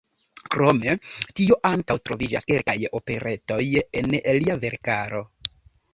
Krom tio ankaŭ troviĝas kelkaj operetoj en lia verkaro.